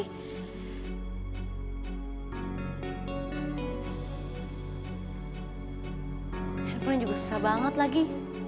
handphone juga susah banget lagi